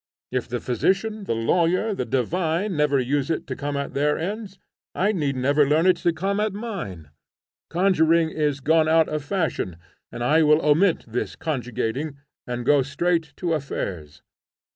If the physician, the lawyer, the divine, never use it to come at their ends, I need never learn it to come at mine. Conjuring is gone out of fashion, and I will omit this conjugating, and go straight to affairs.'